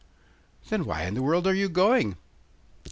'Then why in the world are you going?